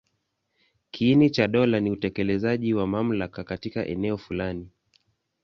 Kiini cha dola ni utekelezaji wa mamlaka katika eneo fulani.